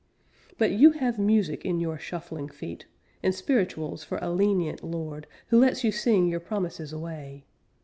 But you have music in your shuffling feet, And spirituals for a lenient Lord, Who lets you sing your promises away.